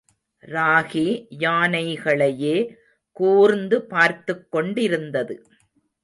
ராகி யானைகளையே கூர்ந்து பார்த்துக் கொண்டிருந்தது.